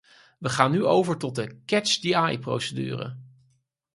We gaan nu over tot de 'catch-the-eye'-procedure.